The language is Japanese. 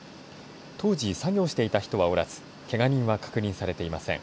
当時、作業していた人はおらずけが人は確認されていません。